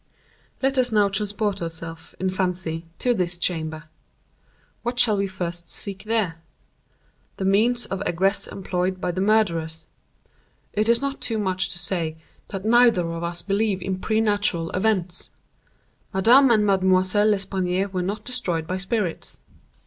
"Let us now transport ourselves, in fancy, to this chamber. What shall we first seek here? The means of egress employed by the murderers. It is not too much to say that neither of us believe in præternatural events. Madame and Mademoiselle L'Espanaye were not destroyed by spirits.